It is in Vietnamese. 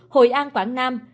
hội an quảng nam